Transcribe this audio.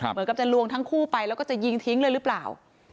เหมือนกับจะลวงทั้งคู่ไปแล้วก็จะยิงทิ้งเลยหรือเปล่า